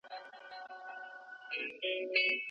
هغه په سپین موټر کې سپور شو او لاړ.